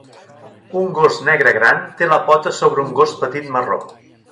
Un gos negre gran té la pota sobre un gos petit marró.